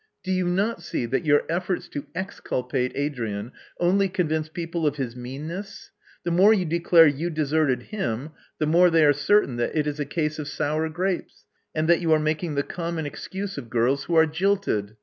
Do you not see that your efforts to exculpate Adrian only convince people of his meanness? The more you declare you dfeserted him, the more they are certain that it is a case of sour grapes, and that you are making the common excuse of girls who are jilted.